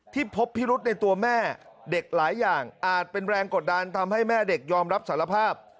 พบพิรุษในตัวแม่เด็กหลายอย่างอาจเป็นแรงกดดันทำให้แม่เด็กยอมรับสารภาพ